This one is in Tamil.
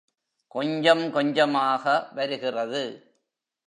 கொஞ்சம் கொஞ்சமாக வருகிறது.